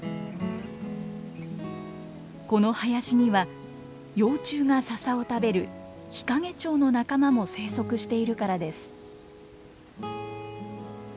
この林には幼虫がササを食べるヒカゲチョウの仲間も生息しているからです。